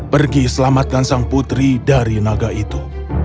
pergi selamatkan sang putri dari naga itu